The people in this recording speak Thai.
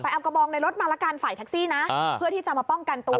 เอากระบองในรถมาละกันฝ่ายแท็กซี่นะเพื่อที่จะมาป้องกันตัว